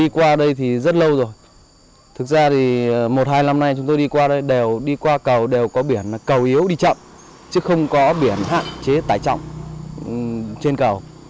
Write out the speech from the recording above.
qua cầu đều có biển cầu yếu đi chậm chứ không có biển hạn chế tải trọng trên cầu